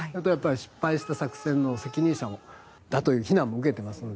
失敗した作戦の責任者だという非難も受けていますので。